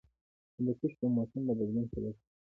هندوکش د موسم د بدلون سبب کېږي.